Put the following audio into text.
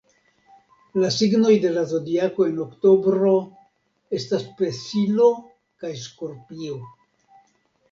La signoj de la Zodiako en oktobro estas Pesilo kaj Skorpio.